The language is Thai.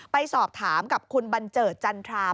ไปสอบถามกับคุณบันเจิดจันทรา